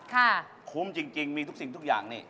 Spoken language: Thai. คุ้มจริงมีทุกสิ่งทุกอย่างนี่